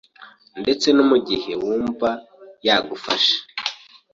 Ndetse no mugihe wumvise yagufashe,